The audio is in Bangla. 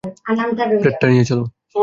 প্লেটটা নিয়ে এসো।